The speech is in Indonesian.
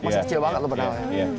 masa kecil banget lu pernah